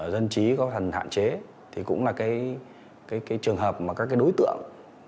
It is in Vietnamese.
dân trí có thần hạn chế thì cũng là cái trường hợp mà các cái đối tượng